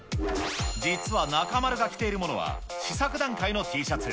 実は中丸が着ているものは、試作段階のＴシャツ。